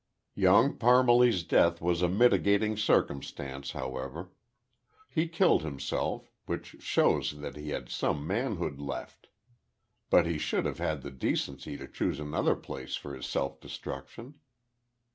Young Parmalee's death was a mitigating circumstance, however. He killed himself; which shows that he had some manhood left. But he should have had the decency to choose another place for his self destruction."